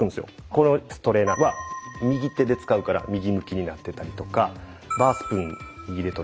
このストレーナーは右手で使うから右向きになってたりとかバースプーン右で取るからそうなってる。